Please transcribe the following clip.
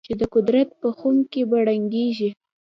چې د قدرت په خُم کې به رنګېږي.